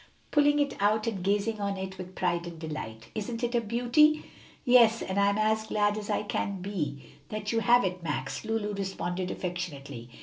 pulling it out and gazing on it with pride and delight. "Isn't it a beauty?" "Yes; and I'm as glad as I can be that you have it, Max," Lulu responded affectionately.